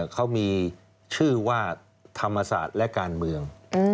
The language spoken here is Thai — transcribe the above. เขามีชื่อว่าธรรมศาสตร์และการเมือง